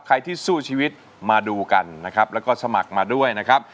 ที่สู้ชีวิตมาดูกันนะครับแล้วก็สมัครมาด้วยนะครับ